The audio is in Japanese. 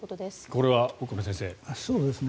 これは奥村先生。